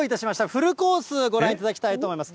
フルコース、ご覧いただきたいと思います。